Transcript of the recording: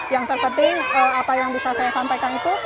yang terpenting apa yang bisa saya sampaikan itu